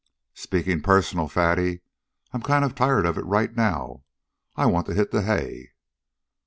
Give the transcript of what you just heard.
"Speaking personal, Fatty, I'm kind of tired of it right now. I want to hit the hay."